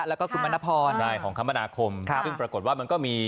แล้วก็คุณมณพรใช่ของคมนาคมซึ่งปรากฏว่ามันก็มี